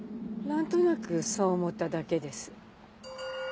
何となくそう思っただけです。